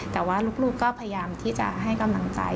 แต่ว่าลูกก็พยายามที่จะให้กำลังใจ